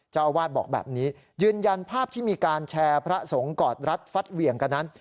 เจ้าอาวาสบอกแบบนี้ยืนยันภาพที่มีการแชร์พระสงฆ์กอดรัดฟัดเหวี่ยงกันนั้น